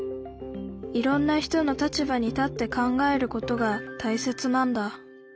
いろんな人の立場に立って考えることが大切なんだ